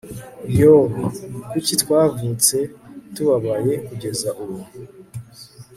yoo! kuki twavutse tubabaye kugeza ubu? ..